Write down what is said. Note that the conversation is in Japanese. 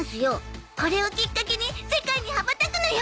これをきっかけに世界に羽ばたくのよ！